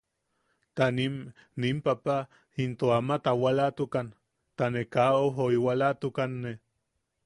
Ta nim, nim papa into ama tawalatukan ta ne kaa au joiwalatukanne.